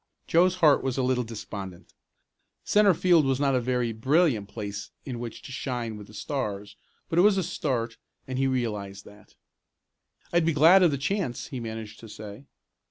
Joe's heart was a little despondent. Centre field was not a very brilliant place in which to shine with the Stars, but it was a start and he realized that. "I'd be glad of the chance," he managed to say.